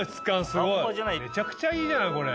すごいめちゃくちゃいいじゃないこれ。